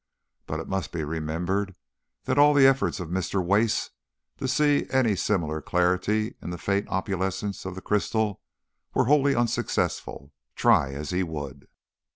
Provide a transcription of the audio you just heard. But it must be remembered that all the efforts of Mr. Wace to see any similar clarity in the faint opalescence of the crystal were wholly unsuccessful, try as he would.